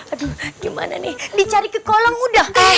aduh gimana nih dicari ke kolong udah